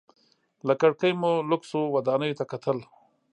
له کړکۍ مې لوکسو ودانیو ته کتل.